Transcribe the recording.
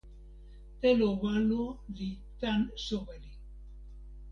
telo walo li tan soweli